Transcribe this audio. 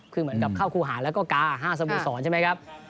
คือเหมือนกับเข้าครูหาแล้วก็กา๕สโมสรใช่ไหมครับ